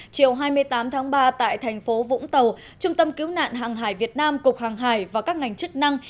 chiều hai mươi tám tháng ba tại thành phố vũng tàu trung tâm cứu nạn hàng hải việt nam cục hàng hải và các ngành chức năng